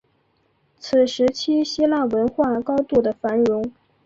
此时期希腊文化高度的繁荣